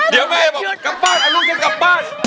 เดี๋ยวแม่บอกอ้าวลูกเก็บกลับบ้าน